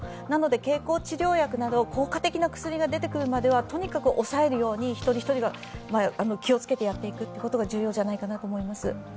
経口治療薬など効果的な薬が出てくるまではとにかく抑えるように、一人一人が気をつけてやっていくことが重要ではないかなと思います。